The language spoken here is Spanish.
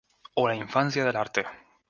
O la infancia del arte.